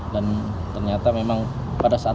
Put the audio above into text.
dan ternyata memang pada saat